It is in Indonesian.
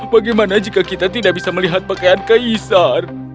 bagaimana jika kita tidak bisa melihat pakaian kaisar